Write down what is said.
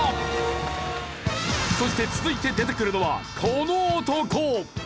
そして続いて出てくるのはこの男！